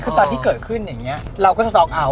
คือตอนที่เกิดขึ้นอย่างนี้เราก็สต๊อกเอาท